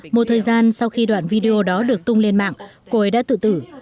một thời gian sau khi đoạn video đó được tung lên mạng cô ấy đã tự tử